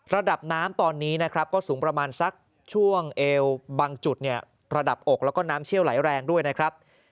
ระดับน้ำตอนนี้นะครับก็สูงประมาณสักช่วงเอวบางจุดเนี่ยระดับอกแล้วก็น้ำเชี่ยวไหลแรงด้วยนะครับ